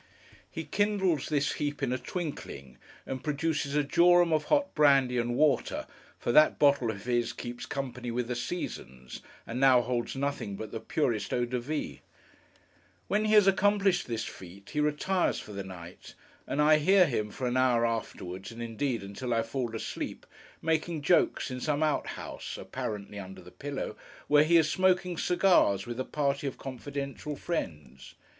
He kindles this heap in a twinkling, and produces a jorum of hot brandy and water; for that bottle of his keeps company with the seasons, and now holds nothing but the purest eau de vie. When he has accomplished this feat, he retires for the night; and I hear him, for an hour afterwards, and indeed until I fall asleep, making jokes in some outhouse (apparently under the pillow), where he is smoking cigars with a party of confidential friends.